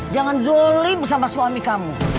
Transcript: jangan zolim bersama suami kamu